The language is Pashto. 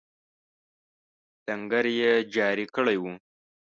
لنګر یې جاري کړی وو.